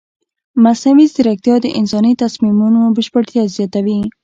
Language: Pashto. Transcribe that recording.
مصنوعي ځیرکتیا د انساني تصمیمونو بشپړتیا زیاتوي.